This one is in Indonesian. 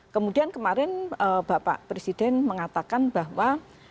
kemudian kemarin bapak presiden mengatakan bahwa